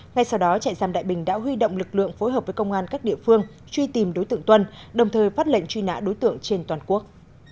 ngay sau đó trại giam đại bình đã huy động lực lượng phối hợp với công an các địa phương truy tìm đối tượng tuân đồng thời phát lệnh truy nã đối tượng trên toàn quốc